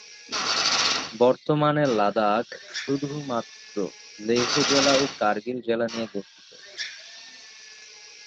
বর্তমানের লাদাখ শুধুমাত্র লেহ জেলা ও কার্গিল জেলা নিয়ে গঠিত।